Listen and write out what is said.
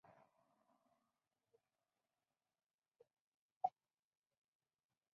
La mayoría de los ucranianos en Rusia hablan principalmente ruso.